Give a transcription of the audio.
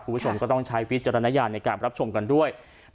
คุณผู้ชมก็ต้องใช้วิจารณญาณในการรับชมกันด้วย